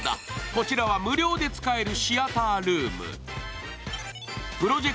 こちらは無料で使えるシアタールーム。